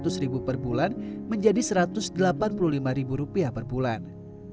rp seratus per bulan menjadi rp satu ratus delapan puluh lima per bulan